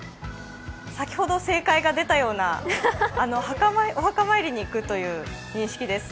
先ほど正解が出たようなお墓参りに行くという認識です。